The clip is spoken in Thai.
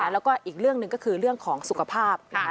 แล้วก็อีกเรื่องหนึ่งก็คือเรื่องของสุขภาพ